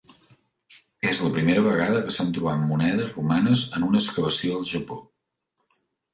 És la primera vegada que s'han trobat monedes romanes en una excavació al Japó.